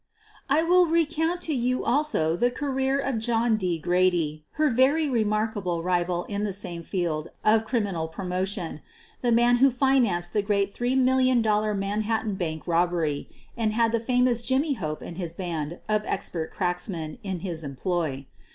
I will recount to you also the career of John D. Grady, her very remarkable rival in the same field of criminal promotion — the man who financed the great $3,000,000 Manhattan Bank robbery and had the famous Jimmy Hope and his band of expert cracksmen in his employ.